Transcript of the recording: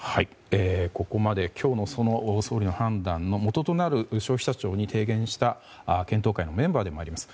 ここまで、今日の総理の判断のもととなる消費者庁に提言した検討会のメンバーでもあります